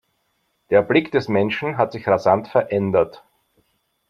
Der Blick des Menschen hat sich rasant verändert.